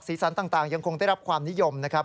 สันต่างยังคงได้รับความนิยมนะครับ